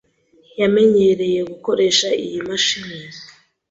Yamenyereye gukoresha iyi mashini.